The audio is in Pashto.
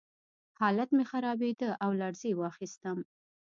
حالت مې خرابېده او لړزې واخیستم